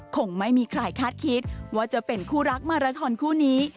คงไม่มีใครคาดคิดว่าจะเป็นคู่รักมาราทอนคู่นี้